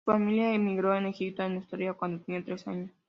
Su familia emigro de Egipto a Australia cuando tenía tres años.